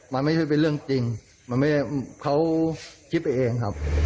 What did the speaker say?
ไม่ได้เป็นเรื่องจริงเขาคิดไปเองครับ